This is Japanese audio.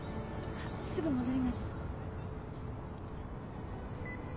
すぐ戻ります。